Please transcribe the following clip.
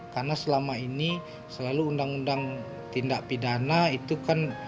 karena selama ini selalu undang undang tindak pidana itu kan